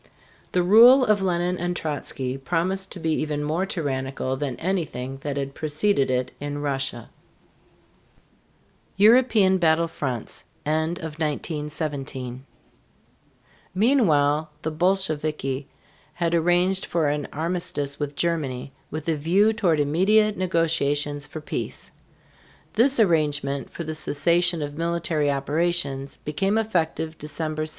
The rule of Lenine and Trotzky promised to be even more tyrannical than anything that had preceded it in Russia. [Illustration: EUROPEAN BATTLE FRONTS End of 1917] Meanwhile the Bolsheviki had arranged for an armistice with Germany with a view toward immediate negotiations for peace. This arrangement for the cessation of military operations became effective December 7.